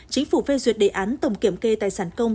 chính phủ phê duyệt đề án tổng kiểm kê tài sản công